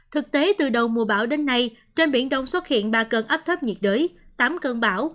thực tế từ đầu mùa bão đến nay trên biển đông xuất hiện ba cơn áp thấp nhiệt đới tám cơn bão